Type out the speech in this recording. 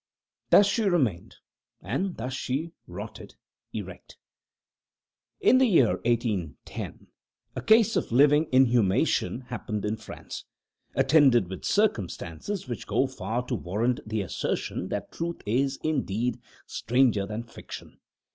Thus she remained, and thus she rotted, erect. In the year 1810, a case of living inhumation happened in France, attended with circumstances which go far to warrant the assertion that truth is, indeed, stranger than fiction.